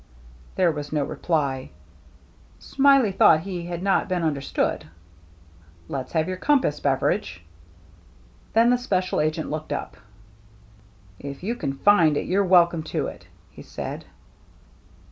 There was no reply. Smiley thought he had not been understood. " Let's have your compass, Beveridge." Then the special agent looked up. "If you can find it, you're welcome to it," he said.